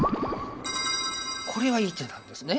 これはいい手なんですね